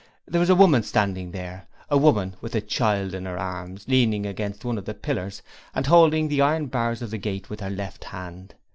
There was a woman standing there a woman with a child in her arms, leaning against one of the pillars and holding the iron bars of the gate with her left hand.